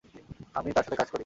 আমি তার সাথে কাজ করি।